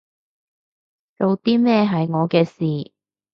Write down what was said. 做啲咩係我嘅事